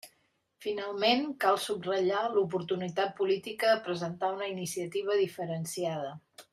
Finalment, cal subratllar l'oportunitat política de presentar una iniciativa diferenciada.